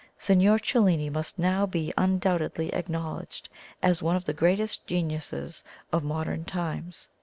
Signor Cellini must now be undoubtedly acknowledged as one of the greatest geniuses of modern times."